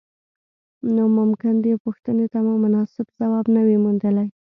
نو ممکن دې پوښتنې ته مو مناسب ځواب نه وي موندلی.